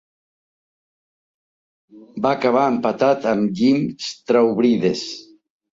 Va acabar empatat amb Jim Stravrides.